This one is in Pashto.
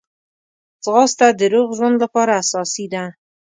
ځغاسته د روغ ژوند لپاره اساسي ده